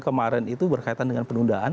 kemarin itu berkaitan dengan penundaan